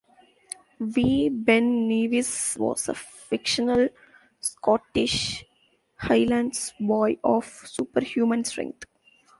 Wee Ben Nevis was a fictional Scottish Highlands boy of superhuman strength.